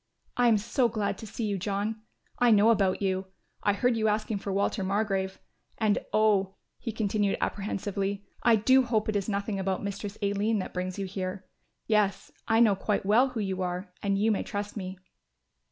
"I am so glad to see you, John; I know about you. I heard you asking for Walter Margrove, and oh," he continued, apprehensively, "I do hope it is nothing about Mistress Aline that brings you here. Yes, I know quite well who you are and you may trust me."